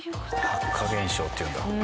白化現象っていうんだ。